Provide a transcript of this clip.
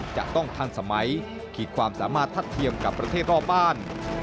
จะต้องทันสมัยขีดความสามารถทัดเทียมกับประเทศรอบบ้าน